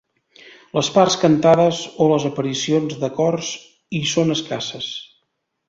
Les parts cantades o les aparicions de cors hi són escasses.